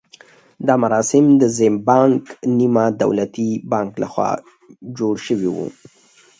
دا مراسم د زیمبانک نیمه دولتي بانک لخوا جوړ شوي وو.